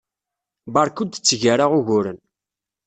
Beṛka ur d-tteg ara uguren.